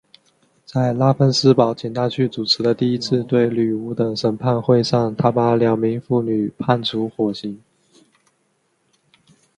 在拉芬斯堡请他去主持的第一次对女巫的审判会上他把两名妇女判处火刑。